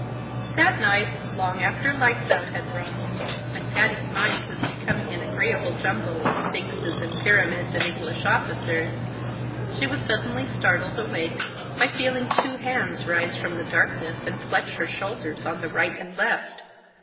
That night, long after "Lights out" had rung, when Patty's mind was becoming an agreeable jumble of sphinxes and pyramids and English officers, she was suddenly startled wide awake by feeling two hands rise from the darkness and clutch her shoulders on the right and left.